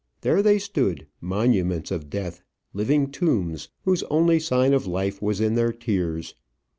There they stood, monuments of death, living tombs, whose only sign of life was in their tears.